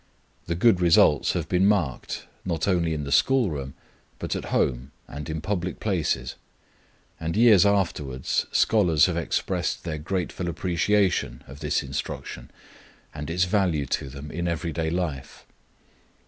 The good results have been marked, not only in the school room, but at home and in public places; and years afterwards scholars have expressed their grateful appreciation of this instruction and its value to them in every day life.